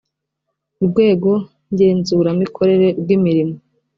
urwego ngenzuramikorere rw imirimo